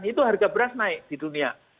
itu harga beras naik di dunia